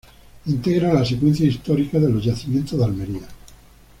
Integra la secuencia histórica de los yacimientos de Almería.